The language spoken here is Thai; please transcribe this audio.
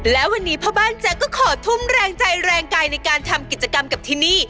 และวันนี้พ่อบ้านแจ๊กก็ขอทุ่มแรงใจแรงกายในการทำกิจกรรมกับที่นี่